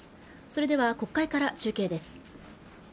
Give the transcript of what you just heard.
それでは国会から中継です